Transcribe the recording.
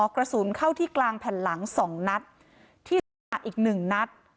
กระสุนเข้าที่กลางแผ่นหลัง๒นัดที่ศีรษะอีกหนึ่งนัด